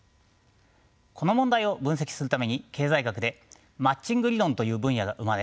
この問題を分析するために経済学でマッチング理論という分野が生まれ